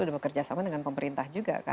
dan bekerjasama dengan pemerintah juga kan